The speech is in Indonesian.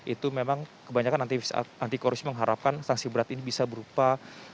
itu memang kebanyakan anti korupsi mengharapkan sanksi berat ini bisa berupa